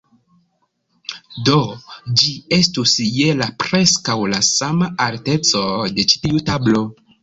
Do, ĝi estus je la preskaŭ la sama alteco de ĉi tiu tablo